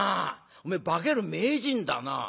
おめえ化ける名人だな。